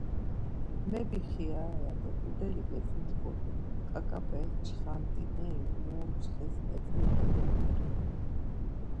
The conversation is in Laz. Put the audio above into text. Mebixirare ya do ǩudeli getzuç̌ǩodu, ǩaǩape çxant̆ineri muruntsxis etzudu do gundunu.